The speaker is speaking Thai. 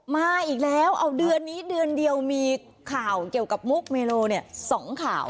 มาอีกแล้วเอาเดือนนี้เดือนเดียวมีข่าวเกี่ยวกับมุกเมโล๒ข่าว